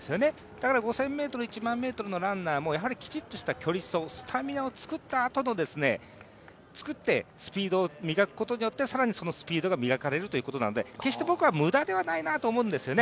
だから５０００ｍ、１００００ｍのランナーもやはりきちっとした距離走、スタミナを作ったあとにスピードを磨くことによって更に磨きがかかっていくので無駄ではないと思うんですよね。